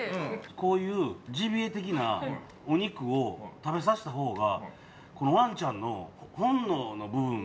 こういうジビエ的なお肉を食べさせたほうがワンちゃんの本能の部分に。